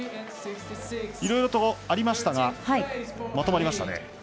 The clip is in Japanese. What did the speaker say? いろいろとありましたがまとまりましたね。